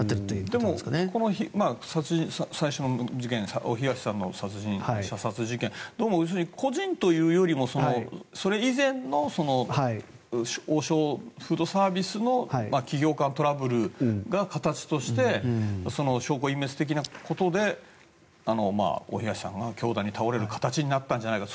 でも、最初の事件大東さんの射殺事件どうも個人というよりもそれ以前の王将フードサービスの企業間トラブルが形として証拠隠滅的なことで大東さんが凶弾に倒れる形になったんじゃないか。